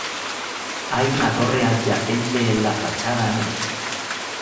Hay una torre adyacente en la fachada norte.